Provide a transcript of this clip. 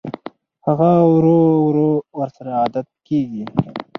هغه ورو ورو ورسره عادت کېږي